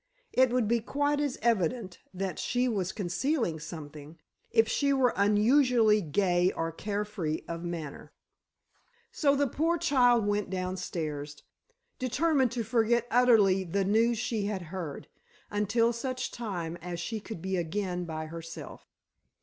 It would be quite as evident that she was concealing something, if she were unusually gay or carefree of manner. So the poor child went downstairs, determined to forget utterly the news she had heard, until such time as she could be again by herself.